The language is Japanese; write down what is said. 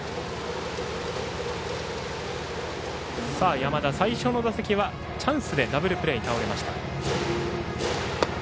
山田、最初の打席はチャンスでダブルプレーに倒れました。